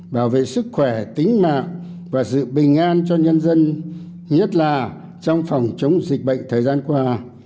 bảo vệ sức khỏe tính mạng và sự bình an cho nhân dân nhất là trong phòng chống dịch bệnh thời gian qua